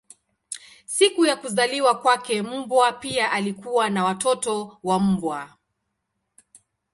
Siku ya kuzaliwa kwake mbwa pia alikuwa na watoto wa mbwa.